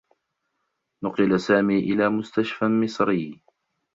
نُقِل سامي إلى مستشفى مصري.